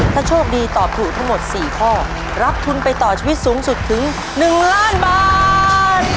ถ้าโชคดีตอบถูกทั้งหมด๔ข้อรับทุนไปต่อชีวิตสูงสุดถึง๑ล้านบาท